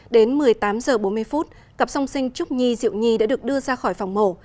đến một mươi tám h bốn mươi phút cặp song sinh trúc nhi diệu nhi đã được đưa ra khỏi phòng mổ